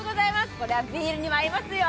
これはビールにも合いますよ。